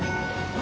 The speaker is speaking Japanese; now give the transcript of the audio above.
あ！